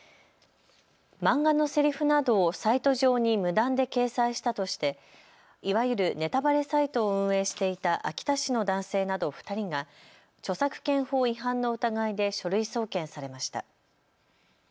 漫画のセリフなどをサイト上に無断で掲載したとしていわゆるネタバレサイトを運営していた秋田市の男性など２人が著作権法違反の疑いで書類送検されました。